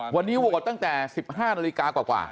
วันนี้โหวตตั้งแต่๑๕นาฬิกากว่า